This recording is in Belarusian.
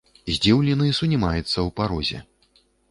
Здзіўлены сунімаецца ў парозе.